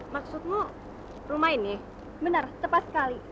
maksudmu rumah ini